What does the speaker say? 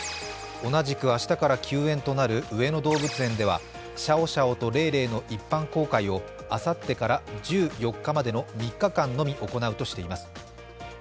同じく明日から休園となる上野動物園ではシャオシャオとレイレイの一般公開をあさってから１４日までの３日間のみ行うとしています。